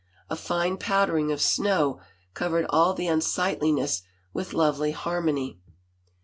A fine powdering of snow covered all the unsightliness with lovely harmony.